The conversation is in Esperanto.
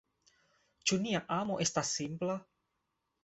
Ĉu nia amo estas simpla?